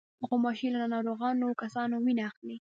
غوماشې له ناروغو کسانو وینه اخلي.